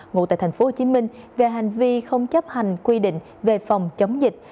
ngụ tại thành phố hồ chí minh về hành vi không chấp hành quy định về phòng chống dịch